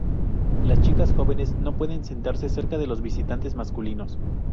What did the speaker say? Las chicas jóvenes no pueden sentarse cerca de los visitantes masculinos.